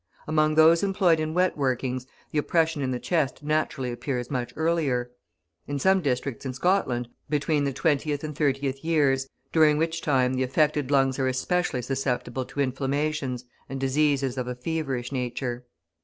Among those employed in wet workings the oppression in the chest naturally appears much earlier; in some districts of Scotland between the twentieth and thirtieth years, during which time the affected lungs are especially susceptible to inflammations and diseases of a feverish nature.